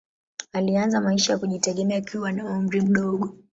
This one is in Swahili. Alianza maisha ya kujitegemea akiwa na umri mdogo.